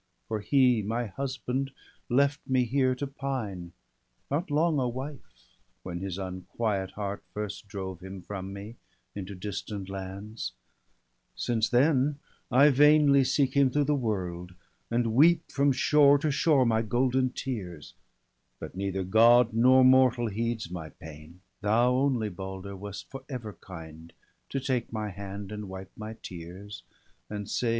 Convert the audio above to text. For he, my husband, left me here to pine, Not long a wife, when his unquiet heart First drove him from me into distant lands ; Since then I vainly seek him through the world, And weep from shore to shore my golden tears, But neither god nor mortal heeds my pain. Thou only. Balder, wast for ever kind, To take my hand, and wipe my tears, and say : I 'JO BALDER DEAD.